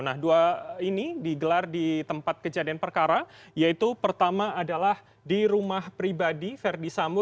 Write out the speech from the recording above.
nah dua ini digelar di tempat kejadian perkara yaitu pertama adalah di rumah pribadi verdi sambo